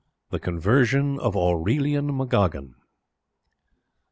THE CONVERSION OF AURELIAN McGOGGIN.